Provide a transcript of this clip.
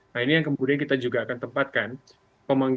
nah ini yang kemudian kita juga akan tempatkan